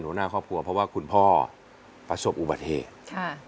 หน้าครอบครัวเพราะว่าคุณพ่อประสบอุบัติเหตุค่ะ